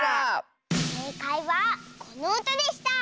せいかいはこのうたでした。